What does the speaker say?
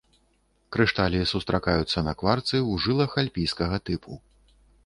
Крышталі сустракаюцца на кварцы ў жылах альпійскага тыпу.